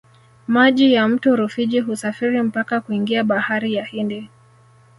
maji ya mto rufiji husafiri mpaka kuingia bahari ya hindi